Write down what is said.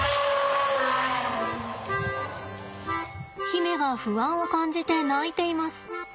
媛が不安を感じて鳴いています。